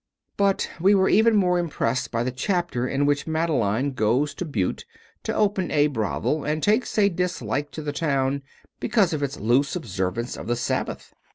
But we were even more impressed by the chapter in which Madeleine goes to Butte to open a brothel and takes a dislike to the town because of its loose observance of the Sabbath.